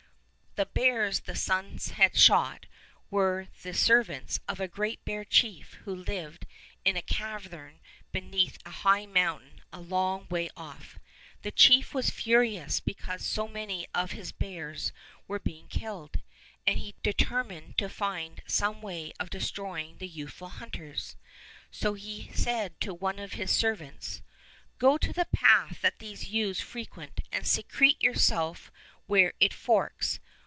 The bears the sons had shot were the ser vants of a great bear chief who lived in a cavern beneath a high mountain a long way off. This chief was furious because so many of his bears were being killed, and he deter mined to find some way of destroying the youthful hunters. So he said to one of his servants: "Go to the path that these youths 70 Fairy Tale Bears frequent, and secrete yourself where it forks.